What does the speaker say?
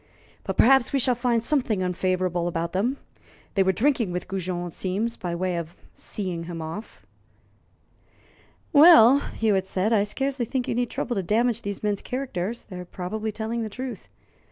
But perhaps we shall find something unfavorable about them. They were drinking with Goujon, it seems, by way of 'seeing him off.'" "Well," Hewitt said, "I scarcely think you need trouble to damage these men's characters. They are probably telling the truth.